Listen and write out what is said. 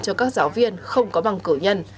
cho các giáo viên không có bằng cử nhân